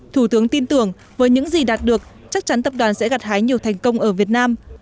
thủ tướng tin tưởng với những gì đạt được chắc chắn tập đoàn sẽ gặt hái nhiều thành công ở việt nam